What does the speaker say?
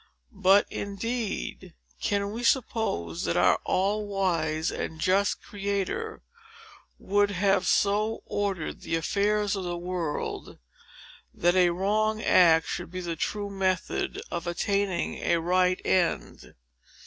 But, indeed, can we suppose that our all wise and just Creator would have so ordered the affairs of the world, that a wrong act should be the true method of attaining a right end?